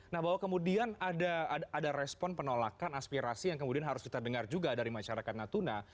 nah bahwa kemudian ada respon penolakan aspirasi yang kemudian harus kita dengar juga dari masyarakat natuna